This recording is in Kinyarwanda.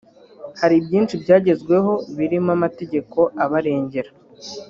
Hari byinshi byagezweho birimo amategeko abarengera